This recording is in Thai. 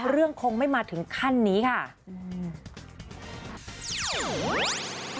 เรื่องคงไม่มาถึงขั้นนี้ค่ะ